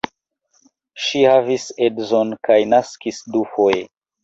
Ŝi havis edzon kaj naskis dufoje.